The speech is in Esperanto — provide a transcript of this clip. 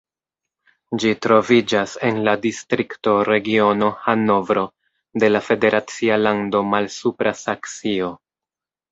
Ĝi troviĝas en la distrikto Regiono Hanovro de la federacia lando Malsupra Saksio.